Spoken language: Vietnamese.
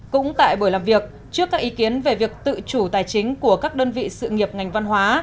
cũng tại buổi làm việc trước các ý kiến về việc tự chủ tài chính của các đơn vị sự nghiệp ngành văn hóa